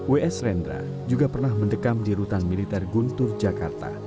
ws rendra juga pernah mendekam di rutan militer guntur jakarta